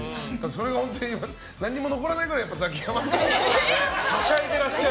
それが本当に何も残らないくらいザキヤマさんがはしゃいでらっしゃる。